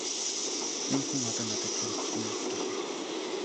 Энэ хүн одоо надад хэрэггүй -гэлээ.